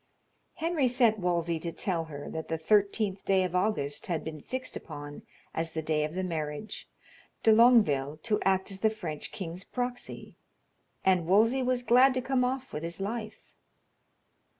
Henry sent Wolsey to tell her that the 13th day of August had been fixed upon as the day of the marriage, de Longueville to act as the French king's proxy, and Wolsey was glad to come off with his life.